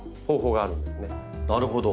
なるほど。